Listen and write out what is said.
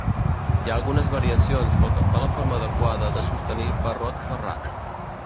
Hi ha algunes variacions pel que fa a la forma adequada de sostenir barrot ferrat.